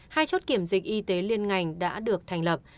hai chốt kiểm dịch y tế liên ngành đã được thành lập